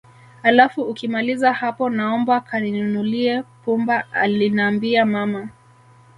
Alafu ukimaliza hapo naomba kaninunulie pumba alinambia mama